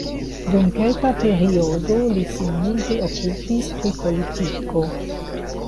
Dum kelka periodo li sin multe okupis pri politiko.